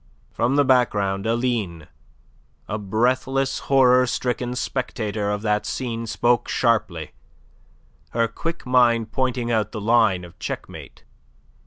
From the background Aline, a breathless, horror stricken spectator of that scene, spoke sharply, her quick mind pointing out the line of checkmate.